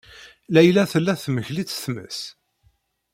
Layla tella temlek-itt tmes.